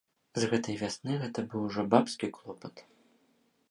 З гэтай вясны гэта быў ужо бабскі клопат.